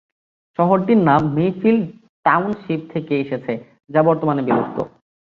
শহরটির নাম Mayfield township থেকে এসেছে, যা বর্তমানে বিলুপ্ত।